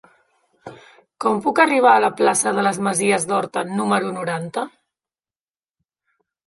Com puc arribar a la plaça de les Masies d'Horta número noranta?